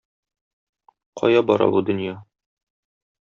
Кая бара бу дөнья?